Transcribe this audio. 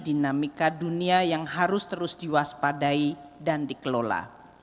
kita harus mencari dinamika dunia yang harus terus diwaspadai dan dikelola